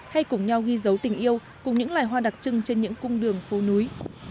hãy cùng nhau ghi dấu tình yêu cùng những loài hoa đặc trưng trên những cung đường phố núi